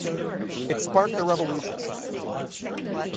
It sparked a revolution.